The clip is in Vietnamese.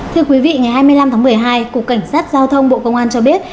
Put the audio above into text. thưa quý vị ngày hai mươi năm tháng một mươi hai cục cảnh sát giao thông bộ công an cho biết